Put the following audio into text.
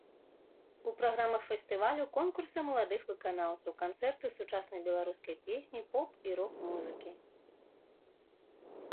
У праграмах фестывалю конкурсы маладых выканаўцаў, канцэрты сучаснай беларускай песні, поп- і рок-музыкі.